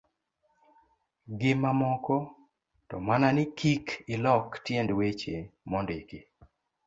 gi mamoko, to mana ni kik olok tiend weche mondiki.